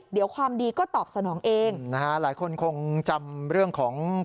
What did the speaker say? เดี๋ยวความดีก็ตอบสนองเองนะฮะหลายคนคงจำเรื่องของ